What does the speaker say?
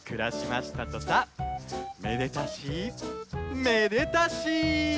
めでたしめでたし！